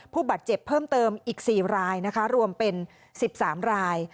ผู้บาดเจ็บเพิ่มเติมอีก๔รายนะคะรวมเป็น๑๓ราย